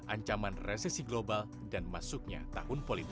ancaman resesi global dan masuknya tahun politik